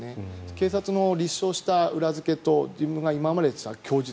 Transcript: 警察の立証した裏付けと自分の今まで行っていた供述。